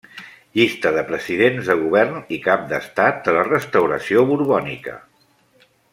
Llista de presidents de Govern i caps d'Estat de la Restauració borbònica.